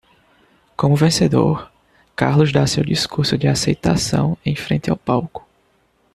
Como vencedor? Carlos dá seu discurso de aceitação em frente ao palco.